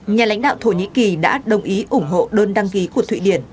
nhà lãnh đạo thổ nhĩ kỳ đã đồng ý ủng hộ đơn đăng ký của thụy điển